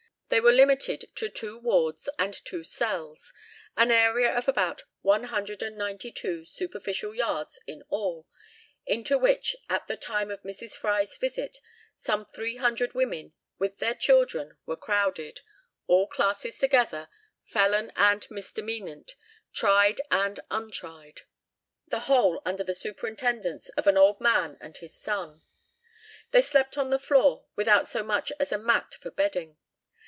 They were limited to two wards and two cells, an area of about one hundred and ninety two superficial yards in all, into which, at the time of Mrs. Fry's visit, some three hundred women with their children were crowded, all classes together, felon and misdemeanant, tried and untried; the whole under the superintendence of an old man and his son. They slept on the floor, without so much as a mat for bedding.